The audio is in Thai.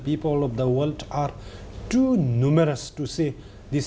ผมคิดว่ามันเป็นสิ่งที่สุดท้าย